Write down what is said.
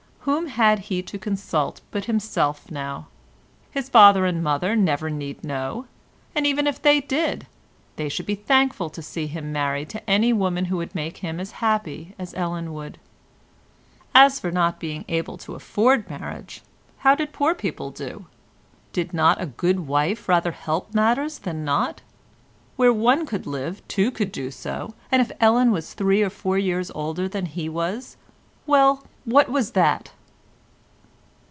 Whom had he to consult but himself now? His father and mother never need know, and even if they did, they should be thankful to see him married to any woman who would make him happy as Ellen would. As for not being able to afford marriage, how did poor people do? Did not a good wife rather help matters than not? Where one could live two could do so, and if Ellen was three or four years older than he was—well, what was that?